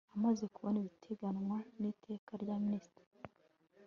Amaze kubona ibiteganywa n Iteka rya Minisitiri